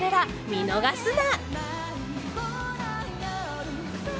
見逃すな。